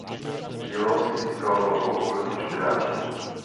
Dílo si získalo velkou oblibu čtenářů.